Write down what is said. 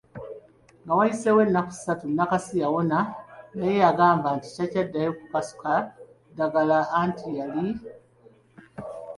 Nga wayiseewo ennaku ssatu, Nakasi yawona naye yagamba nti takyaddayo kukasuka ddagala anti yali